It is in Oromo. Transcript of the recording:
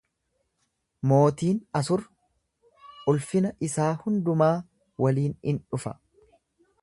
Mootiin Asur ulfina isaa hundumaa waliin in dhufa.